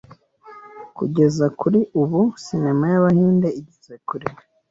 Kugeza kuri ubu , Cinema y’Abahinde igeze kure